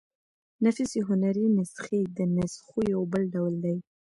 نفیسي هنري نسخې د نسخو يو بل ډول دﺉ.